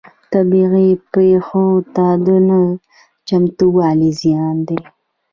طبیعي پیښو ته نه چمتووالی زیان دی.